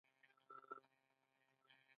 ملا سنډکی په یوه جومات کې اوسېدی.